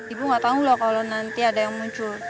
ibu nggak tahu loh kalau nanti ada yang muncul